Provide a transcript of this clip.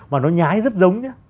mà nó nhái rất giống nhé